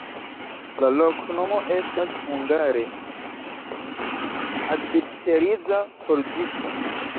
La loknomo estas hungare: acidĉeriza-forĝista.